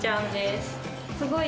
すごい。